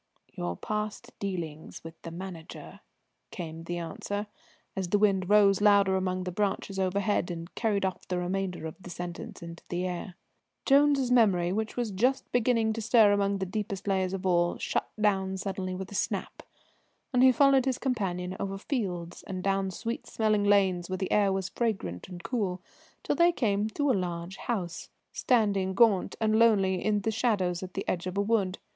"Your past dealings with the Manager," came the answer, as the wind rose louder among the branches overhead and carried off the remainder of the sentence into the air. Jones's memory, which was just beginning to stir among the deepest layers of all, shut down suddenly with a snap, and he followed his companion over fields and down sweet smelling lanes where the air was fragrant and cool, till they came to a large house, standing gaunt and lonely in the shadows at the edge of a wood.